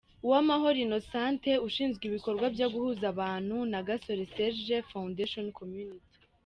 Uwamahoro Innocente ushinzwe ibikorwa byo guhuza abantu na Gasore Serge Foundation Community.